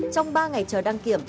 trong ba ngày chờ đăng kiểm